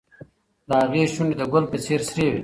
د هغې شونډې د ګل په څېر سرې وې.